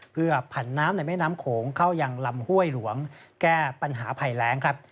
เพื่อผันน้ำในแม่น้ำโขงเข้ายังลำห้วยหลวงแก้ปัญหาภัยแรงครับ